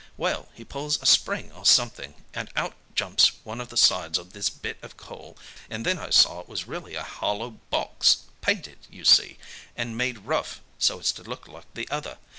Well, he pulls a spring or something, and out jumps one of the sides of this bit of coal, and then I saw it was really a hollow box, painted, you see, and made rough so as to look like the other.